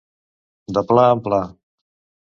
De pla en pla.